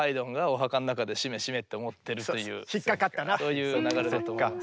そういう流れだと思います。